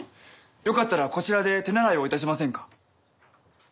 よかったらこちらで手習いをいたしませんか？